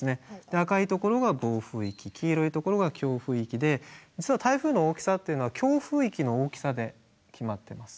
赤いところが暴風域黄色いところが強風域で実は台風の大きさっていうのは強風域の大きさで決まってます。